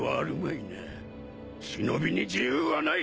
忍びに自由はない！